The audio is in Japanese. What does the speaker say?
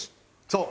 そう。